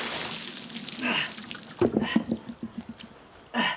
ああ！